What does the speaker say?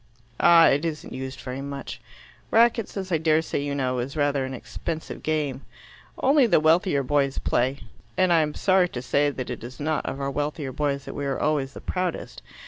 "Ah, it isn't used very much. Racquets, as I daresay you know, is rather an expensive game. Only the wealthier boys play and I'm sorry to say that it is not of our wealthier boys that we are always the proudest.